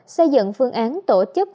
xây dựng phương án tổ chức